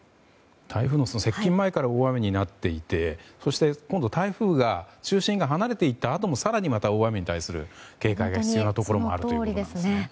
台風の接近前から大雨になっていてそして、今度台風が中心が離れていったあともまた大雨に対する警戒が必要なところもあるということですね。